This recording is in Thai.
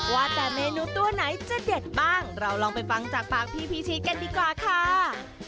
ว่าแต่เมนูตัวไหนจะเด็ดบ้างเราลองไปฟังจากปากพี่พีชีสกันดีกว่าค่ะ